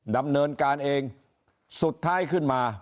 ดำเนินการเองสุดท้ายขึ้นมา